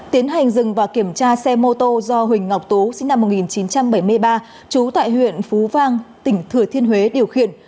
tiến hành dừng và kiểm tra xe mô tô do huỳnh ngọc tố sinh năm một nghìn chín trăm bảy mươi ba trú tại huyện phú vang tỉnh thừa thiên huế điều khiển